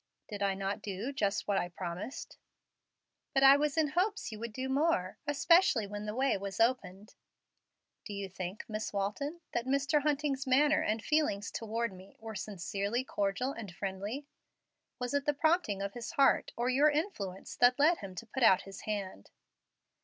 "Did I not do just what I promised?" "But I was in hopes you would do more, especially when the way was opened." "Do you think, Miss Walton, that Mr. Hunting's manner and feelings toward me were sincerely cordial and friendly? Was it the prompting of his heart, or your influence, that led him to put out his hand?"